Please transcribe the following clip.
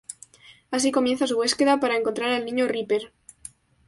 Así comienza su búsqueda para encontrar al niño Reaper.